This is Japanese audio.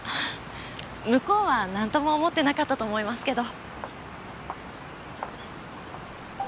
向こうはなんとも思ってなかったと思いますけど。